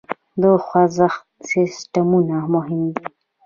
د خوزښت سیسټمونه مهم دي.